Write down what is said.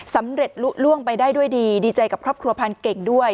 สำเร็จลุล่วงไปได้ด้วยดีดีใจกับครอบครัวพันเก่งด้วย